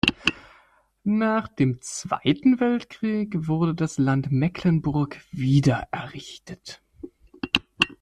Nach dem Zweiten Weltkrieg wurde das Land Mecklenburg wiedererrichtet.